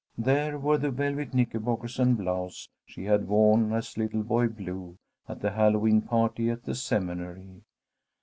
There were the velvet knickerbockers and blouse she had worn as Little Boy Blue at the Hallowe'en party at the Seminary.